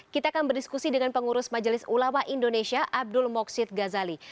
kita akan berdiskusi dengan pengurus majelis ulama indonesia abdul moksid ghazali